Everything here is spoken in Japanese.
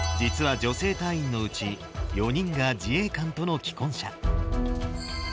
実は女性隊員のうち、４人が自衛官との既婚者。